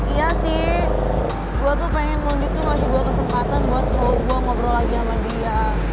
iya sih gue tuh pengen mondi tuh ngasih gue kesempatan buat gue ngobrol lagi sama dia